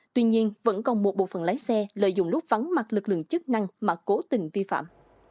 tuy nhiên vẫn còn một bộ phần lái xe lợi dụng lúc vắng mặt lực lượng chức năng mà cố tình vi phạm